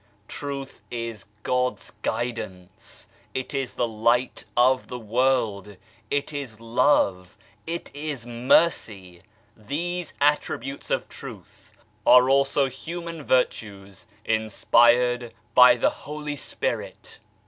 Truth is God's guidance, it is the Light of the World, it is Love, it is Mercy. These attributes of Truth are also human virtues inspired by the Holy Spirit.